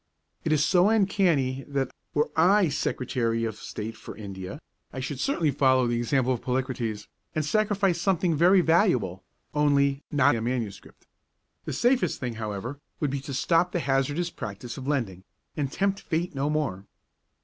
It is so uncanny that, were I Secretary of State for India, I should certainly follow the example of Polycrates, and sacrifice something very valuable, only not a manuscript; the safest thing, however, would be to stop the hazardous practice of lending, and tempt Fate no more.